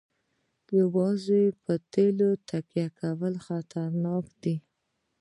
یوازې په تیلو تکیه کول خطرناک دي.